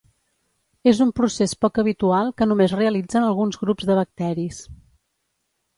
És un procés poc habitual que només realitzen alguns grups de bacteris.